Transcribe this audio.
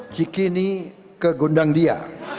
jikini ke gundang dia